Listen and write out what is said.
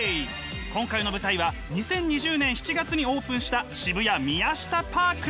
今回の舞台は２０２０年７月にオープンした渋谷ミヤシタパーク！